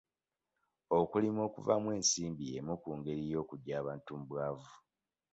Okulima okuvaamu ensimbi y'emu ku ngeri y'okuggya abantu mu bwavu.